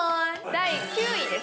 第９位です